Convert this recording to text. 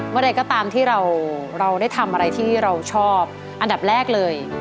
อะไรก็ตามที่เราได้ทำอะไรที่เราชอบอันดับแรกเลย